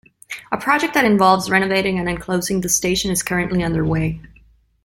A project that involves renovating and enclosing the station is currently under way.